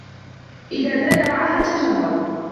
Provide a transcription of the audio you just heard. إذَا زَالَ مَعَهَا التَّجَمُّلُ